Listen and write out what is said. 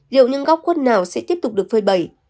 liệu những góc quất nào sẽ tiếp tục được phơi bầy